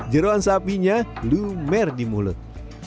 jerawan sapinya lumer di mulut